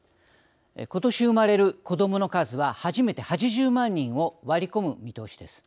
今年生まれる子どもの数は初めて８０万人を割り込む見通しです。